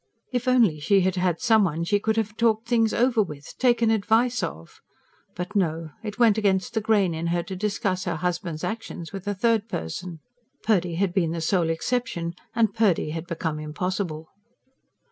If only she had had some one she could have talked things over with, taken advice of! But no it went against the grain in her to discuss her husband's actions with a third person. Purdy had been the sole exception, and Purdy had become impossible.